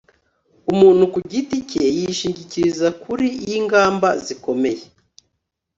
Umuntu ku giti cye yishingikiriza kuri yingamba zikomeye